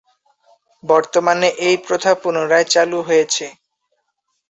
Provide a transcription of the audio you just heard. বর্তমানে এই প্রথা পুনরায় চালু হয়েছে।